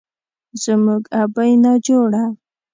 زموږ ابۍ ناجوړه